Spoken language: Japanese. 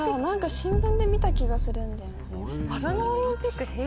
新聞で見た気がするんだよ。